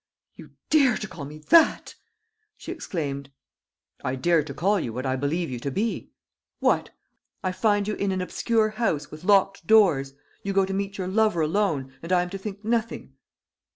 "You dare to call me that!" she exclaimed. "I dare to call you what I believe you to be. What! I find you in an obscure house, with locked doors; you go to meet your lover alone; and I am to think nothing!"